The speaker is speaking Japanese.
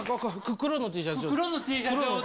黒のＴシャツ。